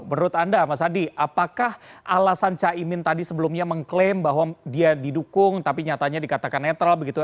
menurut anda mas adi apakah alasan caimin tadi sebelumnya mengklaim bahwa dia didukung tapi nyatanya dikatakan netral begitu